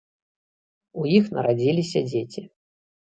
У іх нарадзіліся дзеці.